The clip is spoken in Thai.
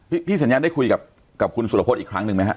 พี่สัญญาณได้คุยกับคุณสุรพฤษอีกครั้งหนึ่งไหมฮะ